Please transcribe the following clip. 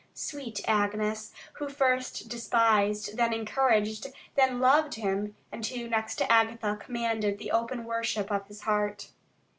Sweet Agnes, who first despised, then encouraged, then loved him, and who, next to Agatha, commanded the open worship of his heart.